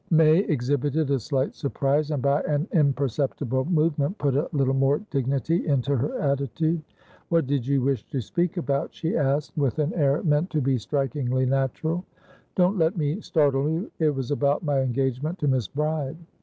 May exhibited a slight surprise, and by an imperceptible movement put a little more dignity into her attitude. "What did you wish to speak about?" she asked, with an air meant to be strikingly natural. "Don't let me startle you; it was about my engagement to Miss Bride."